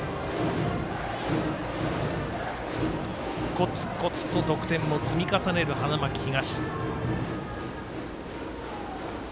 こつこつと得点を積み重ねる花巻東。